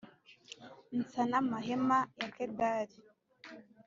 nsa n’amahema ya Kedari